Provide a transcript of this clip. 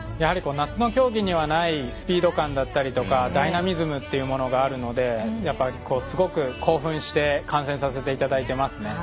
夏の競技にはないスピード感だったりダイナミズムというものがあるのですごく興奮して観戦させていただいています。